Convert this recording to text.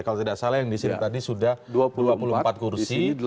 kalau tidak salah yang di sini tadi sudah dua puluh empat kursi